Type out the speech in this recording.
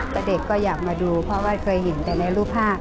แต่เด็กก็อยากมาดูเพราะว่าเคยเห็นแต่ในรูปภาพ